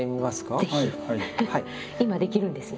今できるんですね。